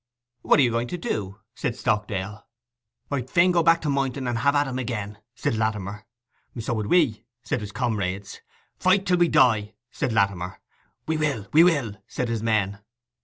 'What are you going to do?' said Stockdale. 'I'd fain go back to Moynton, and have at 'em again!' said Latimer. 'So would we!' said his comrades. 'Fight till we die!' said Latimer. 'We will, we will!' said his men.